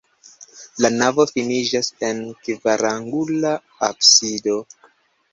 La navo finiĝas en kvarangula absido.